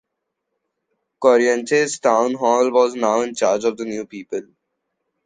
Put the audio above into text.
Corrientes Town Hall was now in charge of the new people.